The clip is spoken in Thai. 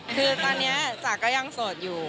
คือตอนนี้จ๋าก็ยังโสดอยู่